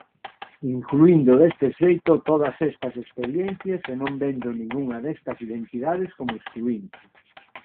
Incluíndo deste xeito todas estas experiencias e non vendo ningunha destas identidades como excluínte.